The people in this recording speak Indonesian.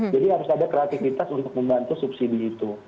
jadi harus ada kreatifitas untuk membantu subsidi itu